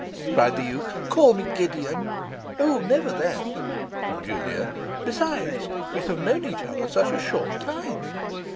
cried the youth. 'Call me Gideon!' 'O, never that,' from Julia. 'Besides, we have known each other such a short time.